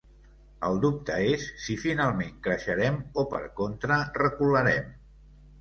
El dubte és si finalment creixerem o, per contra, recularem.